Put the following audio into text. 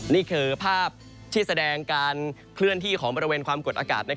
นี่คือภาพที่แสดงการเคลื่อนที่ของบริเวณความกดอากาศ